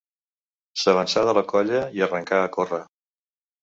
S'avançà de la colla i arrencà a córrer.